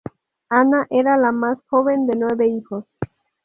Anna era la más joven de nueve hijos.